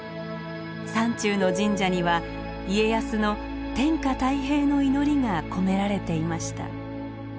山中の神社には家康の天下太平の祈りが込められていました。